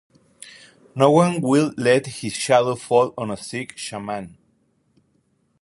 No one will let his shadow fall on a sick shaman.